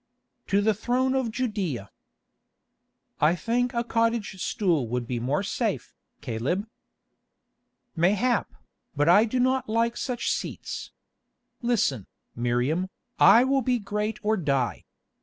"To the throne of Judæa." "I think a cottage stool would be more safe, Caleb." "Mayhap, but I do not like such seats. Listen, Miriam, I will be great or die.